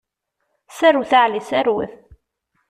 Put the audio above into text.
Serwet a Ɛli, serwet!